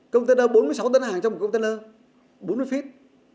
container bốn mươi sáu tấn hàng trong một container bốn mươi feet